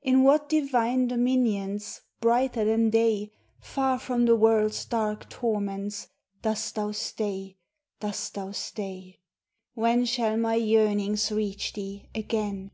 In what divine dominions, Brighter than day, Far from the world's dark torments, Dost thou stay, dost thou stay? When shall my yearnings reach thee Again?